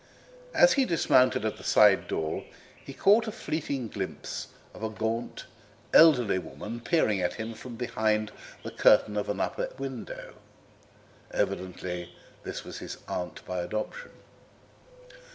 As he dismounted at the side door he caught a fleeting glimpse of a gaunt, elderly woman peering at him from behind the curtain of an upper window. Evidently this was his aunt by adoption.